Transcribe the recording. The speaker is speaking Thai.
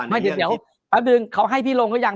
เดี๋ยวเฤมานึงเขาให้พี่ลงหรือยัง